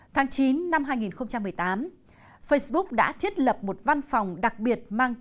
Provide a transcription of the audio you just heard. tháng chín năm hai nghìn một mươi tám facebook đã thiết lập một văn phòng đặc biệt mạng xã hội